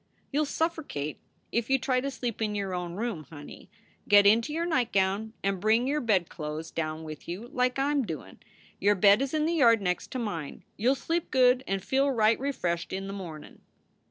"You ll suffercate if you try to sleep in your own room, honey. Get into your nightgown and bring your bedclo es down with you, like I m doin . Your bed is in the yard next to mine. You ll sleep good and feel right refreshed in the mornin ."